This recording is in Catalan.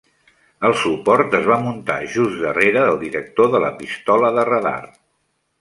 El suport es va muntar just darrera del director de la pistola de radar.